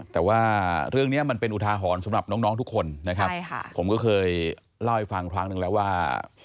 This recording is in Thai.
แต่ว่าเรื่องนี้มันเป็นอุทาหรณ์สำหรับน้องทุกคนนะครับผมก็เคยเล่าให้ฟังครั้งหนึ่งแล้วว่า